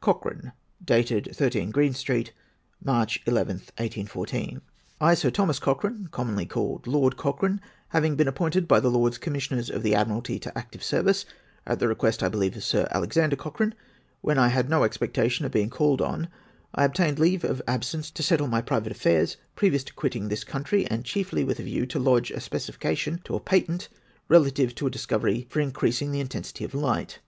Cochrane. Dated 13 Green Street, Marcli lltli, 1<S14. I, Sir Thomas Cochrane, commonly called Lord Cochrane, having been appointed by the Lords Commissioners of the Admiralty to active service (at the request, I believe, of Sir Alexander Cochrane) when I had no expectation of being called on, I obtained leave of absence to settle my private affairs previous to C[uitting this country, and chiefly with a view to lodge a specification to a patent, relative to a dis covery for increasing the intensity of light.